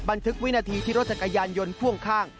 วินาทีที่รถจักรยานยนต์พ่วงข้าง